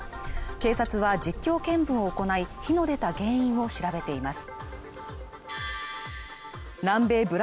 警察は実況見分を行い火の出た原因を調べています